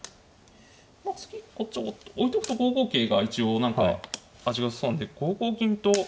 まあ次こっち置いとくと５五桂が一応何か味がよさそうなんで５五銀と。